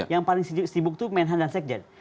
yang paling sibuk itu menhan dan sekjen